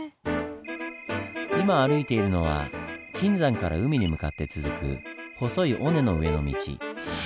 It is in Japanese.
今歩いているのは金山から海に向かって続く細い尾根の上の道。